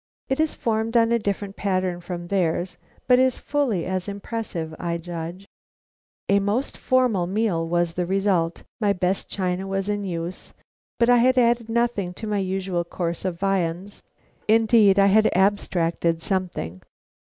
It is formed on a different pattern from theirs, but is fully as impressive, I judge. A most formal meal was the result. My best china was in use, but I had added nothing to my usual course of viands. Indeed, I had abstracted something.